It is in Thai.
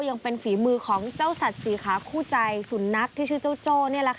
ยังเป็นฝีมือของเจ้าสัตว์สีขาคู่ใจสุนัขที่ชื่อเจ้าโจ้